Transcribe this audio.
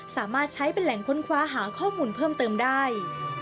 สามารถใช้เป็นแหล่งค้นคว้าหาข้อมูลเพิ่มเติมได้